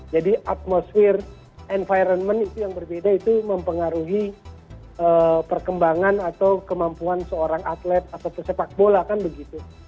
jadi atmosfer environment yang berbeda itu mempengaruhi perkembangan atau kemampuan seorang atlet atau sepak bola kan begitu